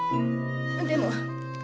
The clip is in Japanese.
でも。